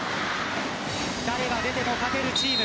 誰が出ても勝てるチーム。